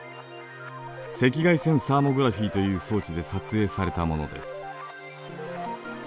赤外線サーモグラフィーという装置で撮影されたものです。